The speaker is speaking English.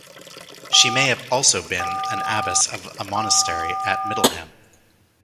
She may have also been an abbess of a monastery at Middleham.